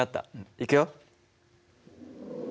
いくよ。